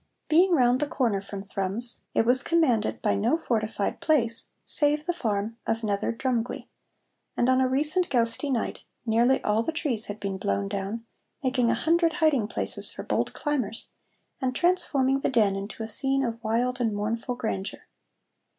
Being round the corner from Thrums, it was commanded by no fortified place save the farm of Nether Drumgley, and on a recent goustie night nearly all the trees had been blown down, making a hundred hiding places for bold climbers, and transforming the Den into a scene of wild and mournful grandeur.